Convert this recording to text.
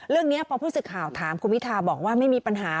เรื่องนี้พอผู้สื่อข่าวถามคุณพิทาบอกว่าไม่มีปัญหา